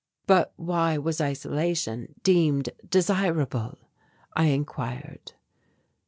"But why was isolation deemed desirable?" I enquired.